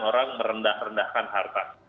orang merendah rendahkan harta